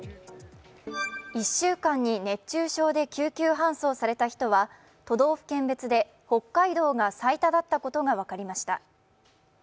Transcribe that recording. １週間に熱中症で救急搬送された人は都道府県別で北海道が最多だったことが分かりました。